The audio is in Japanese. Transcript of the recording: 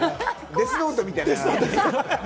デスノートみたいなやつね。